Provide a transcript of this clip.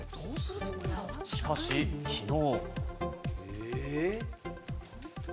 しかし、昨日。